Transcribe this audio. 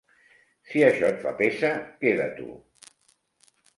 Si això et fa peça, queda-t'ho!